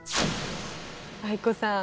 藍子さん。